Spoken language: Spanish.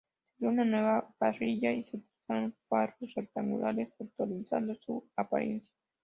Se creó una nueva parrilla y se utilizaron faros rectangulares actualizando su apariencia.